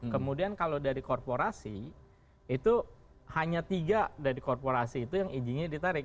kemudian kalau dari korporasi itu hanya tiga dari korporasi itu yang izinnya ditarik